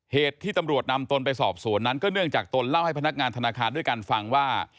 เหตุที่ตำรวจนำตนไปสอบสวนนั้นก็เนื่องจากตนเล่าให้พนักงานธนาคารด้วยกันฟังว่า